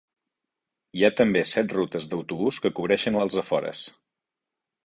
Hi ha també set rutes d'autobús que cobreixen els afores.